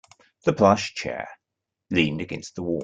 The plush chair leaned against the wall.